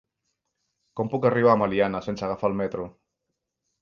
Com puc arribar a Meliana sense agafar el metro?